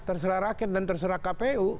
terserah rakyat dan terserah kpu